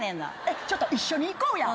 ちょっと一緒に行こうや！